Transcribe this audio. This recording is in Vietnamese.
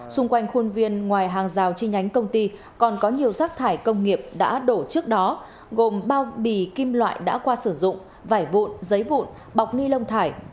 xung quanh khuôn viên ngoài hàng rào chi nhánh công ty còn có nhiều rác thải công nghiệp đã đổ trước đó gồm bao bì kim loại đã qua sử dụng vải vụn giấy vụn bọc ni lông thải